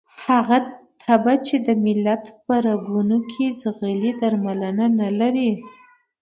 هغه تبه چې د ملت په رګونو کې ځغلي درمل نه لري.